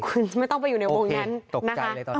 คุณไม่ต้องไปอยู่ในวงแน่นนะคะโอเคตกใจเลยตอนแรก